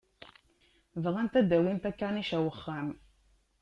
Bɣant ad d-awint akanic ar wexxam.